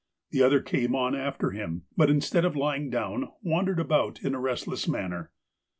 The other came on after him, but, instead of lying down, wandered about in a restless manner.